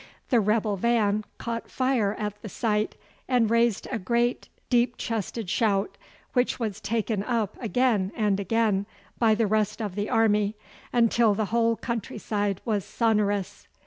The rebel van caught fire at the sight and raised a great deep chested shout, which was taken up again and again by the rest of the army, until the whole countryside was sonorous.